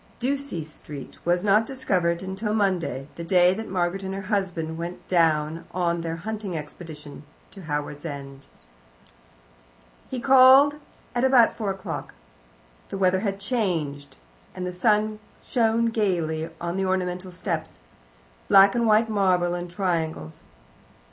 Ducie Street was not discovered till the Monday, the day that Margaret and her husband went down on their hunting expedition to Howards End. He called at about four o'clock. The weather had changed, and the sun shone gaily on the ornamental steps black and white marble in triangles.